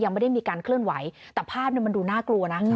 ยังไม่ได้มีการเคลื่อนไหวแต่ภาพมันดูน่ากลัวนะ